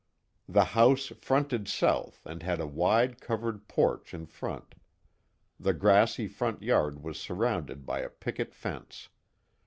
The house fronted south, and had a wide covered porch in front. The grassy front yard was surrounded by a picket fence.